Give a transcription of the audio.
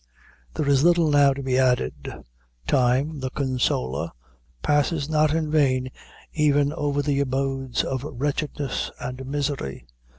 There is little now to be added. "Time, the consoler," passes not in vain even over the abodes of wretchedness and misery.